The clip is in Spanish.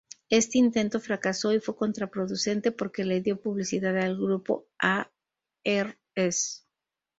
Este intento fracasó y fue contraproducente, porque le dio publicidad al grupo a.r.s.